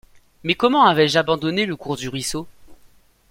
Mais comment avais-je abandonné le cours du ruisseau?